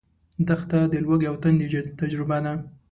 دښته د لوږې او تندې تجربه ده.